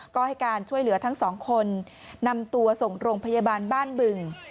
ก็ให้การช่วยเหลือทั้งสองคนนำตัวส่งโรงพยาบาลบ้านบึง